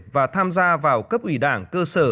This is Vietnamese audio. và tham gia vào cấp ủy đảng cơ sở